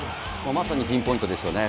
まさにピンポイントですよね。